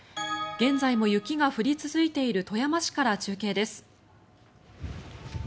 現在も雪が降り続いている富山市から中継です。